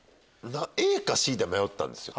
ＡかＣで迷ったんですよ。